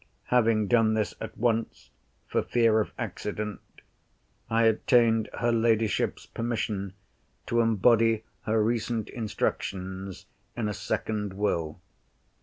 Having done this at once, for fear of accident, I obtained her ladyship's permission to embody her recent instructions in a second Will.